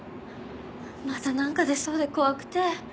またなんか出そうで怖くて。